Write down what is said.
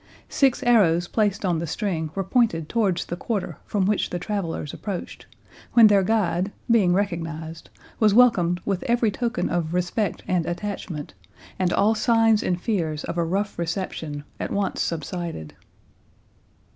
Six arrows placed on the string were pointed towards the quarter from which the travellers approached, when their guide, being recognised, was welcomed with every token of respect and attachment, and all signs and fears of a rough reception at once subsided.